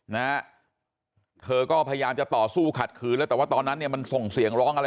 นะฮะเธอก็พยายามจะต่อสู้ขัดขืนแล้วแต่ว่าตอนนั้นเนี่ยมันส่งเสียงร้องอะไร